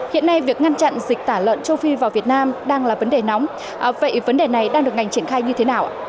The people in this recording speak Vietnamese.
hiện nay việc ngăn chặn dịch tả lợn châu phi vào việt nam đang là vấn đề nóng vậy vấn đề này đang được ngành triển khai như thế nào ạ